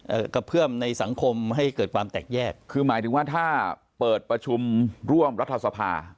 กระเพื่อมในสังคมให้เกิดความแตกแยกคือหมายถึงว่าถ้าเปิดประชุมร่วมรัฐสภา